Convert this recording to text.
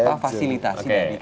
tanpa fasilitasi dari kpu